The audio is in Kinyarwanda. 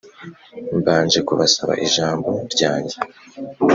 Mbanje kubasa ijambo ryange